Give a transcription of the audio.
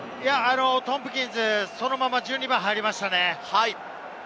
トンプキンズ、そのまま１２番に入りましたね。